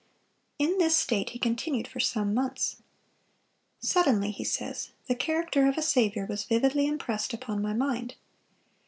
In this state he continued for some months. "Suddenly," he says, "the character of a Saviour was vividly impressed upon my mind.